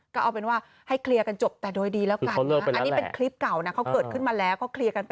ก็เอาเป็นว่าให้เคลียร์กันจบแต่โดยดีแล้วกัน